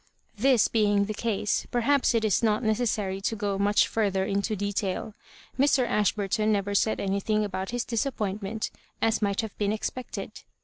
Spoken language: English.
This being the case, perhaps it is not necessary to go Diuch further into detaiL Mr. Ashburton never said anything about his disappointment^ as might have been expected.